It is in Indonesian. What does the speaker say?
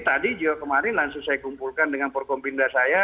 tadi juga kemarin langsung saya kumpulkan dengan forkompinda saya